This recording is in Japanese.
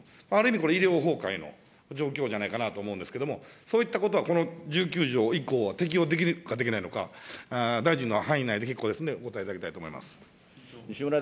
これ、医療崩壊の状況じゃないかなと思うんですけれども、そういったことは、この１９条１項は適用できるかできないのか、大臣の範囲内で結構ですので、お答えいただきたいと思います。